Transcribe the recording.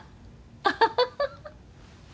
アハハハハ。